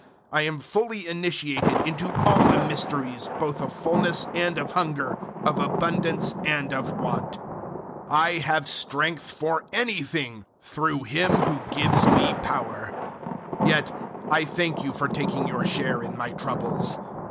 I am fully initiated into all the mysteries both of fulness and of hunger, of abundance and of want. 004:013 I have strength for anything through Him who gives me power. 004:014 Yet I thank you for taking your share in my troubles.